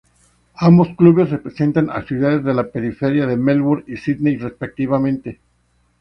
Ambos clubes representan a ciudades de la periferia de Melbourne y Sídney, respectivamente.